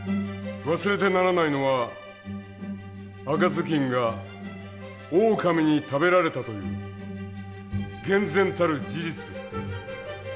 忘れてならないのは赤ずきんがオオカミに食べられたという厳然たる事実です。